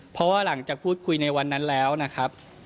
เพราะว่าหลังจากพูดคุยในวันนั้นแล้วนะครับ